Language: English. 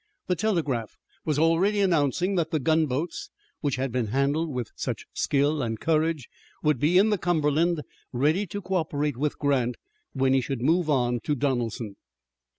The telegraph was already announcing that the gunboats, which had been handled with such skill and courage, would be in the Cumberland ready to co operate with Grant when he should move on Donelson.